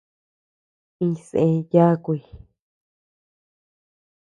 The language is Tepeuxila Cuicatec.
Iñsé yakuy.